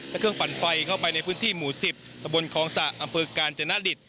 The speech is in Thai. และเครื่องปั่นไฟเข้าไปในพื้นที่หมู่๑๐ตะบนคลองสะอำเภอกาญจนดิต